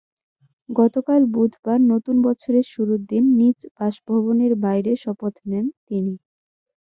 গতকাল বুধবার নতুন বছরের শুরুর দিন নিজ বাসভবনের বাইরে শপথ নেন তিনি।